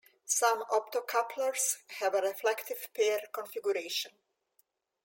Some optocouplers have a "reflective pair" configuration.